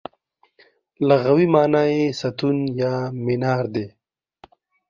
لغوي مانا یې ستون یا مینار دی.